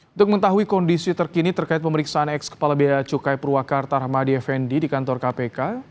untuk mengetahui kondisi terkini terkait pemeriksaan ex kepala bea cukai purwakarta rahmadi effendi di kantor kpk